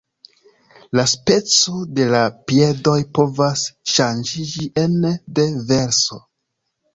La speco de la piedoj povas ŝanĝiĝi ene de verso.